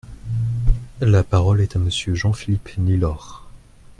La parole est à Monsieur Jean-Philippe Nilor.